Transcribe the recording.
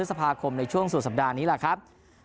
พฤษภาคมในช่วงสุดสัปดาห์นี้แหละครับ